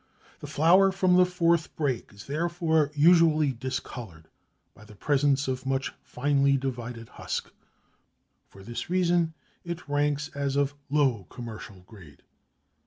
The flour from the fourth break is therefore usually discoloured by the presence of much finely divided husk. For this reason it ranks as of low commercial grade.